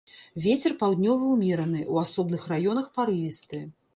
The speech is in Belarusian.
Вецер паўднёвы ўмераны, у асобных раёнах парывісты.